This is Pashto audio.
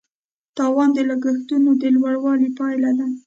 تاوان د لګښتونو د لوړوالي پایله ده.